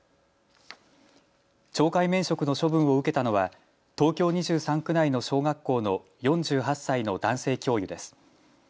懲戒免職の処分を受けたのは東京２３区内の小学校の４８歳の男性教諭です。